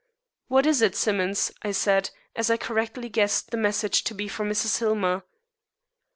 "What is it, Simmonds?" I said, as I correctly guessed the message to be from Mrs. Hillmer.